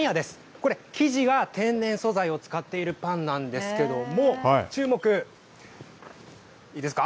これ、生地は天然素材を使っているパンなんですけれども、注目、いいですか？